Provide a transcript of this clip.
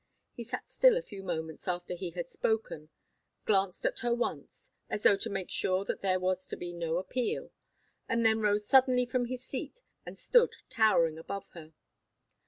He sat still a few moments after he had spoken, glanced at her once, as though to make sure that there was to be no appeal, and then rose suddenly from his seat, and stood towering above her.